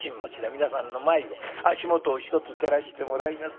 皆さんの前を足元を一つ照らしてもらいますか。